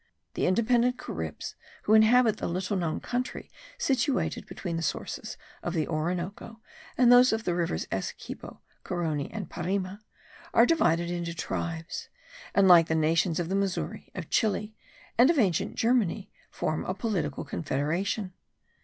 The independent Caribs who inhabit the little known country situated between the sources of the Orinoco and those of the rivers Essequibo, Carony, and Parima, are divided into tribes; and, like the nations of the Missouri, of Chili, and of ancient Germany, form a political confederation.